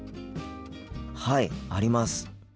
はいあります。